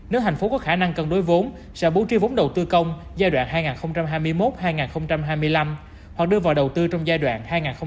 nếu thành phố có khả năng cân đối vốn sẽ bố trí vốn đầu tư công giai đoạn hai nghìn hai mươi một hai nghìn hai mươi năm hoặc đưa vào đầu tư trong giai đoạn hai nghìn hai mươi một hai nghìn ba mươi